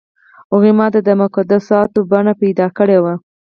هغو ماته د مقدساتو بڼه پیدا کړې وه.